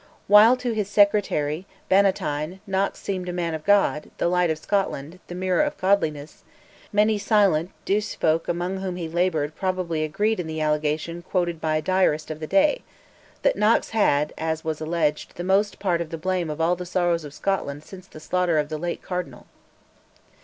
While to his secretary, Bannatyne, Knox seemed "a man of God, the light of Scotland, the mirror of godliness"; many silent, douce folk among whom he laboured probably agreed in the allegation quoted by a diarist of the day, that Knox "had, as was alleged, the most part of the blame of all the sorrows of Scotland since the slaughter of the late Cardinal."